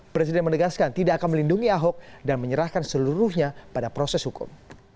presiden menegaskan tidak akan melindungi ahok dan menyerahkan seluruhnya pada proses hukum